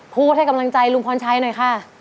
พูดให้กำลังใจลุงพรชัยหน่อยค่ะ